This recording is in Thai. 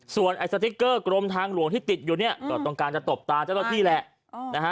ส่วนสติกเกอร์กรมทางหลวงที่ติดตกต้องการจะตบตาเจ้าตัวลูกพี่